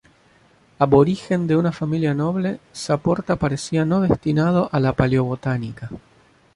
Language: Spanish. Aborigen de una familia noble, Saporta parecía no destinado a la paleobotánica.